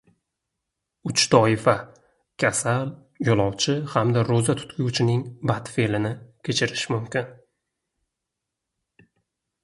Uch toifa — kasal, yo‘lovchi hamda ro‘za tutguvchining badfe’lini kechirish mumkin.